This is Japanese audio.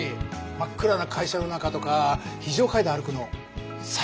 真っ暗な会社の中とか非常階段歩くの最高だよね。